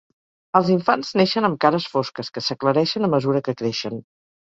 Els infants neixen amb cares fosques, que s'aclareixen a mesura que creixen.